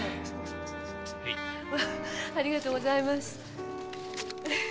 〔ありがとうございます〕